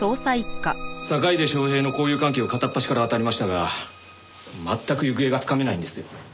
坂出昌平の交友関係を片っ端からあたりましたが全く行方がつかめないんですよ。